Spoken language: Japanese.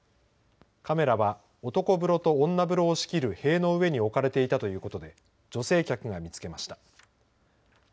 カメラは男風呂と女風呂を仕切る塀の上に置かれていたということで女性客が見つけました。